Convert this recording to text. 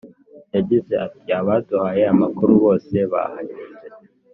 yagize ati “abaduhaye amakuru bose bahageze